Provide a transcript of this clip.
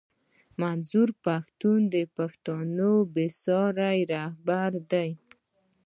منظور پښتون د پښتنو بې ساری رهبر دی